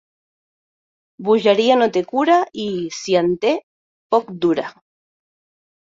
Bogeria no té cura i, si en té, poc dura.